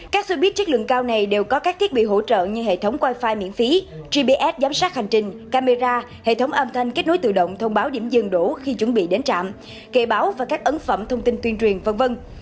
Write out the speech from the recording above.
các xe buýt chất lượng cao này đều có các thiết bị hỗ trợ như hệ thống wifi miễn phí gps giám sát hành trình camera hệ thống âm thanh kết nối tự động thông báo điểm dừng đổ khi chuẩn bị đến trạm kề báo và các ấn phẩm thông tin tuyên truyền v v